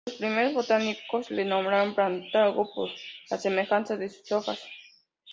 Los primeros botánicos le nombraron "plantago" por la semejanza de sus hojas.